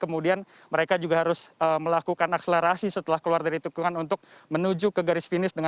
kemudian mereka juga harus melakukan akselerasi setelah keluar dari tukungan untuk menuju ke garis finish